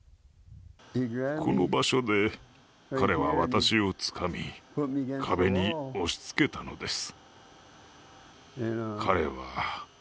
この場所で、彼は私をつかみ壁に押しつけたのです。